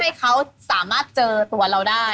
ให้เขาสามารถเจอตัวเราได้